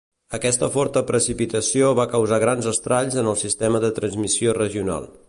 Aquesta forta precipitació va causar grans estralls en el sistema de transmissió regional.